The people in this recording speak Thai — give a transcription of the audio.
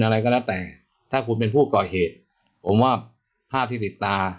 อะไรก็แล้วแต่ถ้าคุณเป็นผู้ก่อเหตุผมว่าภาพที่ติดตา